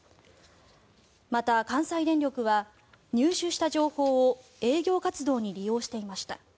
また、関西電力は入手した情報を営業活動に利用していました。